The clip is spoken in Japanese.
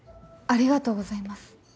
ありがとうございます。